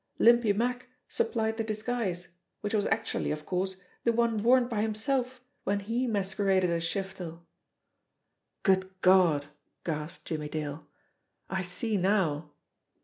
Limpy Mack supplied the disguise, which was actually of course the one worn by himself when he masqueraded as Shiftel." "Good God!" gasped Jimmie Dale. "I see now!"